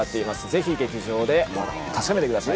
ぜひ劇場で確かめてください。